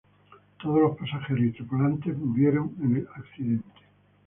Todos los pasajeros y tripulación murieron en el accidente.